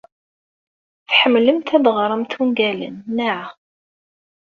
Tḥemmlemt ad teɣremt ungalen, naɣ?